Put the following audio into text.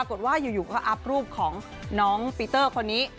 ว่าอยู่ก็อัพรูปของน้องปีเตอร์คนนี้